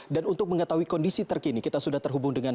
dan untuk mengetahui kondisi terkini kita sudah terhubung dengan